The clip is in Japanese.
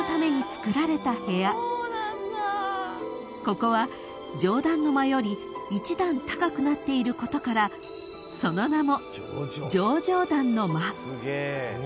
［ここは上段の間より一段高くなっていることからその名も］